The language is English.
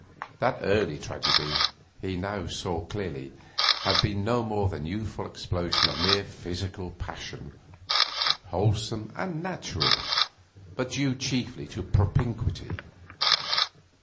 That early tragedy, he now saw clearly, had been no more than youthful explosion of mere physical passion, wholesome and natural, but due chiefly to propinquity.